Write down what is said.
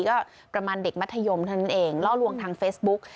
ก็ประมาณเด็กมัธยมเท่านั้นเองล่อลวงทางเฟซบุ๊ก